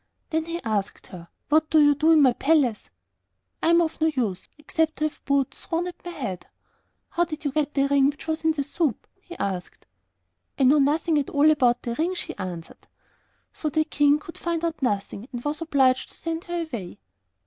Then he asked her, 'What do you do in my palace?' 'I am of no use except to have boots thrown at my head.' 'How did you get the ring which was in the soup?' he asked. 'I know nothing at all about the ring,' she answered. So the King could find out nothing, and was obliged to send her away.